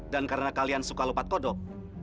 dan karena kalian suka lompat godok